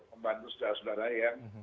membantu saudara saudara yang